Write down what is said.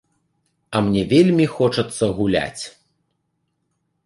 А мне вельмі хочацца гуляць.